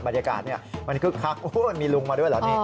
บรรยากาศมันคึกคักมันมีลุงมาด้วยเหรอนี่